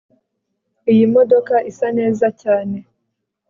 Iyi modoka isa neza cyane